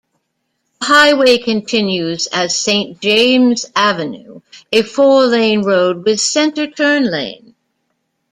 The highway continues as Saint James Avenue, a four-lane road with center turn lane.